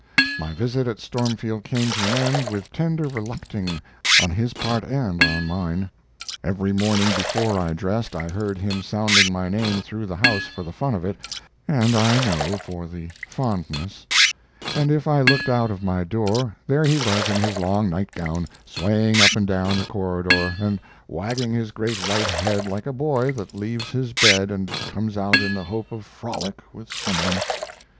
My visit at Stormfield came to an end with tender relucting on his part and on mine. Every morning before I dressed I heard him sounding my name through the house for the fun of it and I know for the fondness, and if I looked out of my door there he was in his long nightgown swaying up and down the corridor, and wagging his great white head like a boy that leaves his bed and comes out in the hope of frolic with some one.